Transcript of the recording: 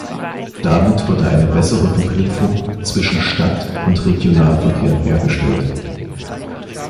Damit wurde eine bessere Verknüpfung zwischen Stadt- und Regionalverkehr hergestellt.